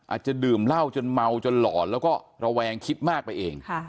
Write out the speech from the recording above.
อาจจะดื่มเหล้าจนเมาจนหลอนแล้วก็ระแวงคิดมากไปเอง